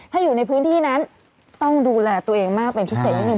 ถ้าอยู่ในพื้นที่นั้นต้องดูแลตัวเองมากเป็นพิเศษนิดนึ